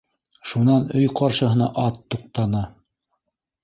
Шунан өй ҡаршыһына ат туҡтаны.